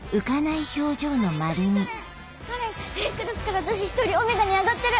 Ａクラスから女子１人Ωに上がってる！